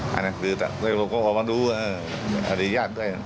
นี่ครับคุณวิบุญวันก็ไปดูความครืบหน้าด้วย